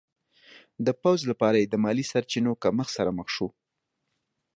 د پوځ لپاره یې د مالي سرچینو کمښت سره مخ شو.